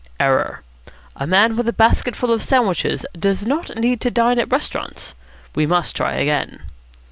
Error. A man with a basketful of sandwiches does not need to dine at restaurants. We must try again."